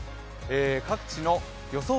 各地の予想